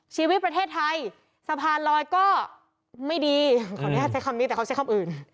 ชีวิตประเทศไทยสะพานลอยก็ไม่ดีขออนุญาตใช้คำนี้แต่เขาใช้คำอื่น